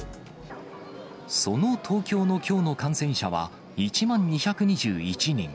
その東京のきょうの感染者は、１万２２１人。